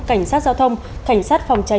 cảnh sát giao thông cảnh sát phòng cháy